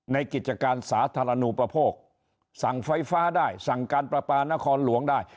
กิจการสาธารณูประโภคสั่งไฟฟ้าได้สั่งการประปานครหลวงได้